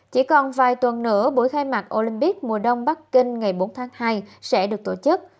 chỉ còn vài tuần nữa buổi khai mạc olympic mùa đông bắc kinh ngày bốn tháng hai sẽ được tổ chức